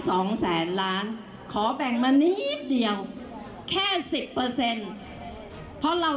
ขอบอกว่ากล้าขออีกนิดนึงไอ้เพลงเลยนะ